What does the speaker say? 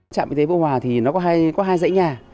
trạm y tế vũ hòa thì nó có hai dãy nhà